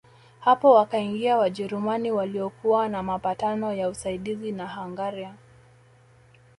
Hapo wakaingia Wajerumani waliokuwa na mapatano ya usaidizi na Hungaria